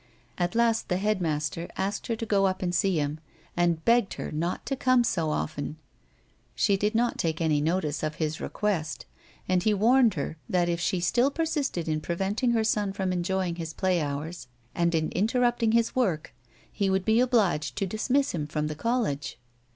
At last the head master asked her to go up and see him, and begged her not to come so often. She did not 200 A WOMAN'S LIFE. take any notice of his reqiiest, and he warned her that if she still persisted in preventing her son from enjoying his play hours, and in interrupting his work, he would be obliged to dismiss him from the college.